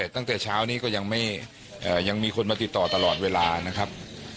ตั้งแต่เช้านี้ก็ยังมีคนมาติดต่อตลอดเวลานะครับ